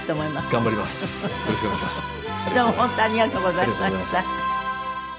どうも本当ありがとうございました。